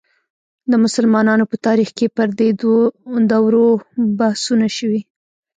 د مسلمانانو په تاریخ کې پر دې دورو بحثونه شوي.